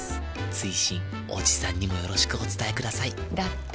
追伸おじさんにもよろしくお伝えくださいだって。